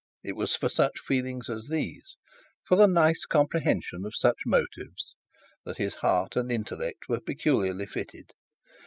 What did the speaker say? It was for such feelings as these, for the nice comprehension of such motives, that his heart and intellect were peculiarly fitted.